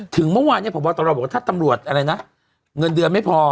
ถึงเมื่อวานเนี่ยผู้ประชาการตำรวจบอกว่าถ้าตำรวจเงินเดือนไม่พอ